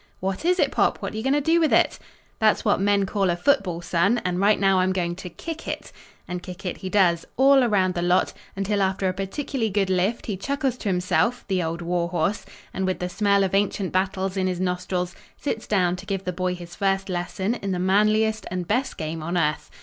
"What is it, Pop? What you going to do with it?" "That's what men call a football, Son. And right now I'm going to kick it." And kick it he does all around the lot until after a particularly good lift he chuckles to himself, the old war horse, and with the smell of ancient battles in his nostrils sits down to give the boy his first lesson in the manliest and best game on earth.